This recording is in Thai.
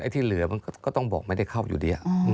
ที่เหลือมันก็ต้องบอกไม่ได้เข้าอยู่ดี